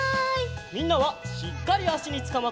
みんなはしっかりあしにつかまって！